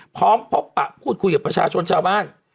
พร้อมพบปะพูดคุยกับประชาชนชาวบ้าน